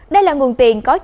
đây là nguồn tiền có hiệu quả